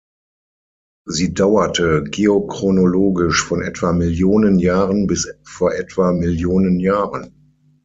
Sie dauerte geochronologisch von etwa Millionen Jahren bis vor etwa Millionen Jahren.